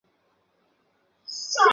事实证明这个影像是错误的。